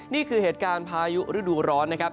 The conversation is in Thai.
นี่คือเหตุการณ์พายุฤดูร้อนนะครับ